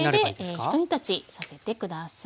これでひと煮立ちさせて下さい。